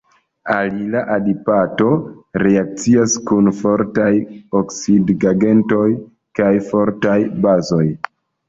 Alila adipato reakcias kun fortaj oksidigagentoj kaj fortaj bazoj.